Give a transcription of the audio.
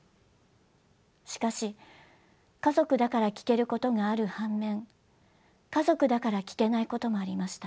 しかし家族だから聞けることがある反面家族だから聞けないこともありました。